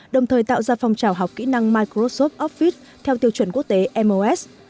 đồng thời tạo ra phong trào học kỹ năng microsoft office theo tiêu chuẩn quốc tế mos